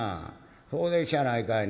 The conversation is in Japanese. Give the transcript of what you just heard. そうでっしゃないかいな。